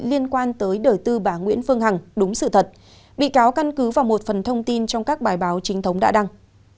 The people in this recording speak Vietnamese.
liên quan tới đời tư bà nguyễn phương hằng đúng sự thật bị cáo căn cứ vào một phần thông tin trong các bài báo trinh thống đã đăng